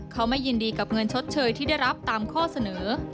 เขาไม่ยินดีกับเงินชดเชยที่ได้รับตามข้อเสนอ